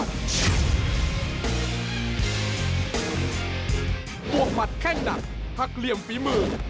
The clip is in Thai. ตัวผัดแค่งดักหักเหลี่ยมฟีมือ